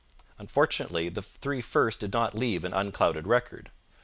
Unfortunately the three first did not leave an unclouded record.